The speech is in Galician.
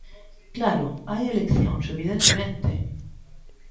Claro, hai eleccións, evidentemente.